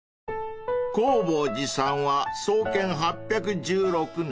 ［弘法寺さんは創建８１６年］